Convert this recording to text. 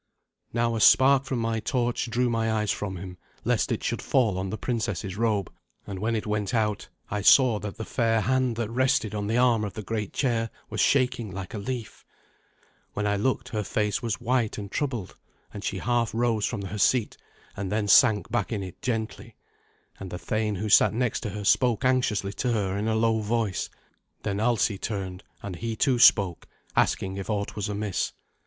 Now a spark from my torch drew my eyes from him, lest it should fall on the princess's robe; and when it went out, I saw that the fair hand that rested on the arm of the great chair was shaking like a leaf. When I looked, her face was white and troubled, and she half rose from her seat and then sank back in it gently, and the thane who sat next her spoke anxiously to her in a low voice, and the lady by his side rose up and came to her. Then Alsi turned, and he too spoke, asking if aught was amiss.